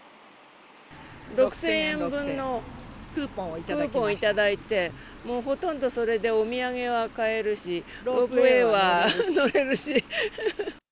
６０００円分のクーポン頂いて、もうほとんどそれでお土産は買えるし、ロープウエーは乗れるし。